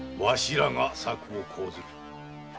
らが策を講ずる。